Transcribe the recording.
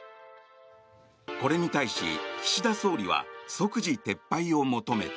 これに対し、岸田総理は即時撤廃を求めた。